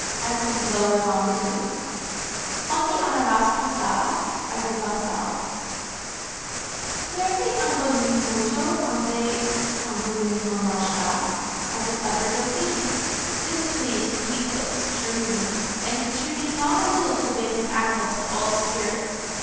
_ as in lower Languedoc; "Onté anaras passa?" as in the Basses Alpes; "Puerte un bouen moutu embe un bouen fromage grase," as in upper Dauphiné. This pleased the people extremely, and contributed not a little to win him access to all spirits.